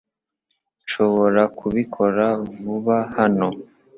Nshobora kubikora kuva hano .